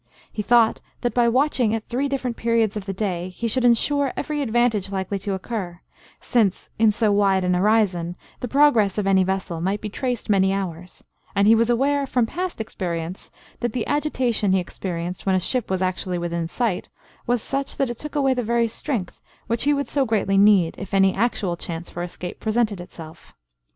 He thought that by watching at three different periods of the day, he should insure every advantage likely to occur, since, in so wide an horizon, the progress of any vessel might be traced many hours; and he was aware, from past experience, that the agitation he experienced when a ship was actually within sight, was such, that it took away the very strength which he would so greatly need, if any actual chance for escape presented itself.